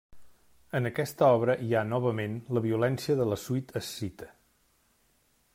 En aquesta obra hi ha novament la violència de la Suite escita.